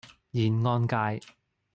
燕安街